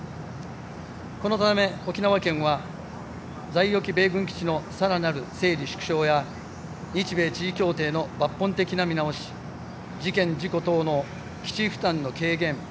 このため沖縄県は在沖米軍基地のさらなる整理・縮小や日米地位協定の抜本的な見直し事件・事故等の基地負担の軽減